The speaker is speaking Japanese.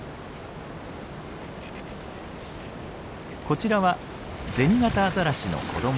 こちらはゼニガタアザラシの子供。